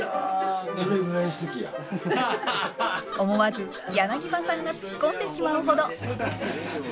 思わず柳葉さんがツッコんでしまうほど。